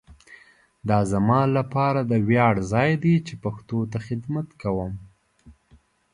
دا زما لپاره د ویاړ ځای دی چي پښتو ته خدمت کوؤم.